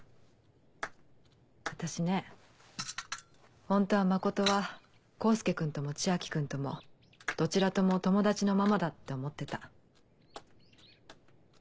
私ねホントは真琴は功介君とも千昭君ともどちらとも友達のままだって思ってた。